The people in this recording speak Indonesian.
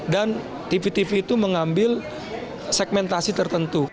dan tv tv itu mengambil segmentasi tertentu